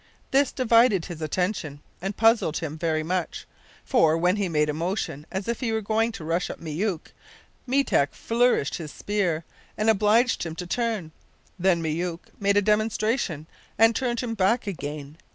This divided his attention, and puzzled him very much; for, when he made a motion as if he were going to rush at Myouk, Meetek flourished his spear, and obliged him to turn then Myouk made a demonstration, and turned him back again.